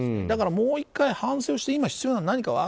だからもう１回反省して今何が必要なのか。